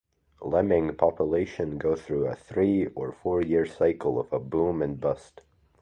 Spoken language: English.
Lemming populations go through a three- or four-year cycle of boom and bust.